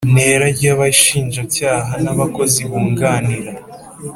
ntera ryAbai shinjacyaha nAbakozi bunganira